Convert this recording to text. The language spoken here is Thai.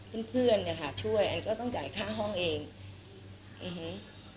เพื่อนเพื่อนเนี้ยค่ะช่วยแอนก็ต้องจ่ายค่าห้องเองอื้อหือ